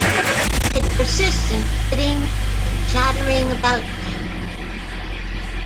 It persists in flitting and chattering about town.